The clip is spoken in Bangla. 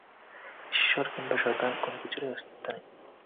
ঈশ্বর কিংবা শয়তান-কোনও কিছুরই অস্তিত্ব নেই!